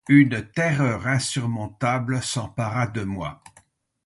Une terreur insurmontable s’empara de moi.